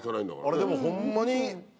あれでもホンマに。